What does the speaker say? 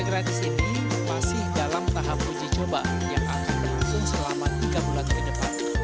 gratis ini masih dalam tahap uji coba yang akan berlangsung selama tiga bulan ke depan